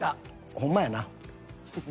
「ほんまやな」。